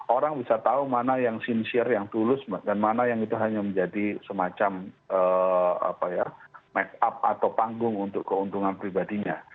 orang bisa tahu mana yang sinciar yang tulus dan mana yang itu hanya menjadi semacam make up atau panggung untuk keuntungan pribadinya